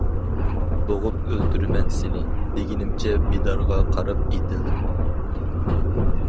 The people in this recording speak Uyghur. بوغۇپ ئۆلتۈرىمەن سېنى. دېگىنىمچە بىدارغا قاراپ ئېتىلدىم.